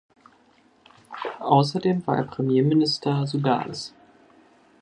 Außerdem war er Premierminister Sudans.